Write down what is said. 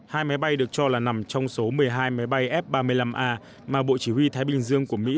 hai máy bay được cho là nằm trong số một mươi hai máy bay f ba mươi năm a mà bộ chỉ huy thái bình dương của mỹ